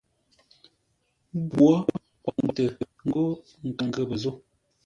Ngwǒ kwaŋtə ńgó nkaŋ ghəpə́ zô.